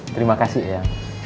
terima kasih ya